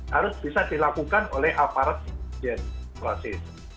harus bisa dilakukan oleh aparat proses